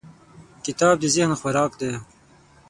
کتاب د ذهن خوراک دی.